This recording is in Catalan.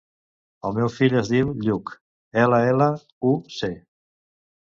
El meu fill es diu Lluc: ela, ela, u, ce.